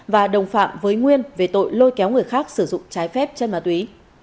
và đồng phạm với nguyên về tội lôi kéo người khác sử dụng trái phép chân ma túy